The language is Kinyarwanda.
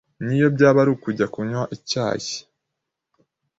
n’iyo byaba ari ukujya kunywa icyayi